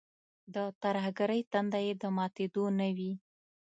د ترهګرۍ تنده یې د ماتېدو نه وي.